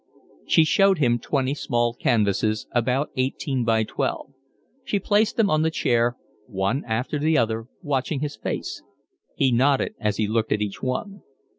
She showed him twenty small canvases, about eighteen by twelve. She placed them on the chair, one after the other, watching his face; he nodded as he looked at each one.